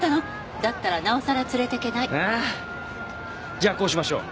じゃあこうしましょう。